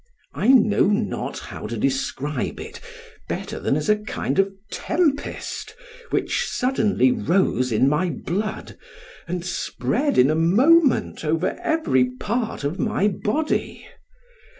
I know not how to describe it better than as a kind of tempest, which suddenly rose in my blood, and spread in a moment over every part of my body.